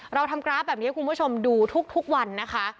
เราทำกราฟแบบนี้ให้คุณผู้ชมดูทุกวันนะคะ